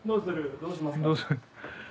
どうしますか？